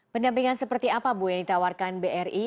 pendampingan seperti apa bu yang ditawarkan bri